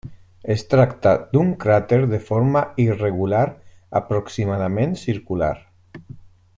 Es tracta d'un cràter de forma irregular, aproximadament circular.